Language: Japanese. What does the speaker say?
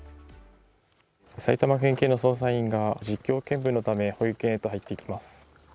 埼玉県警の捜査員が実況見分のため保育園に入っていきます。